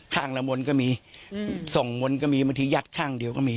ข้างละมนต์ก็มีสองมนต์ก็มีบางทียัดข้างเดียวก็มี